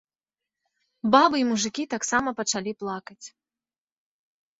Бабы і мужыкі таксама пачалі плакаць.